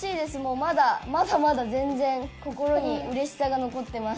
まだまだ全然、心に嬉しさが残っています。